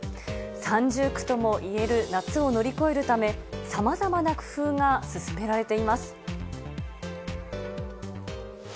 三重苦ともいえる夏を乗り越えるため、さまざまな工夫が進められています。